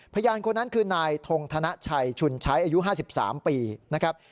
พยานคนนั้นคือนายทงธนชัยชุนใช้อายุ๕๓ปีนะครับ